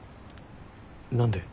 何で？